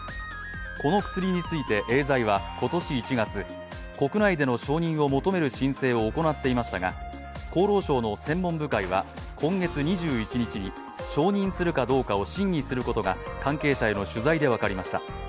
この薬について、エーザイは今年１月、国内での承認を求める申請を行っていましたが、厚労省の専門部会は、今月２１日に承認するかどうかを審議することが関係者への取材で分かりました。